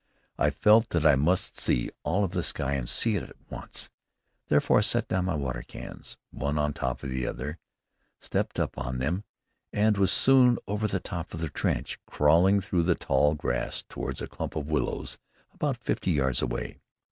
I felt that I must see all of the sky and see it at once. Therefore I set down my water cans, one on top of the other, stepped up on them, and was soon over the top of the trench, crawling through the tall grass toward a clump of willows about fifty yards away.